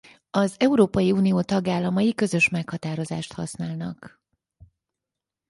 Az Európai Unió tagállamai közös meghatározást használnak.